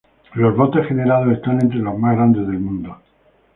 Los botes generados están entre los más grandes del mundo.